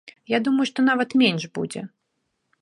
Я думаю, што нават менш будзе.